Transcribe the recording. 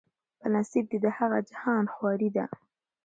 په نصیب دي د هغه جهان خواري ده